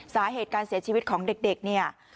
สาเหตุการเสียชีวิตของเด็กเนี่ย